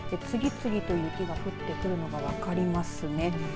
次々と雪が降ってくるのが分かりますね。